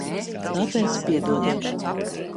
Tāpēc piedodiet.